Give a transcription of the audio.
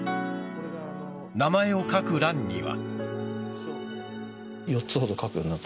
名前を書く欄には。